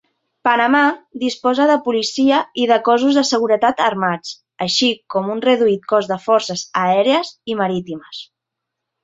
Panamà disposa de policia i de cossos de seguretat armats, així com un reduït cos de forces aèries i marítimes.